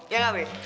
iya gak be